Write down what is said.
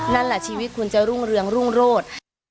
นั่นแหละชีวิตคุณจะรุ่งเรืองรุ่งโรธ